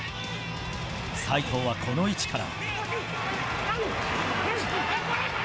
齋藤は、この位置から。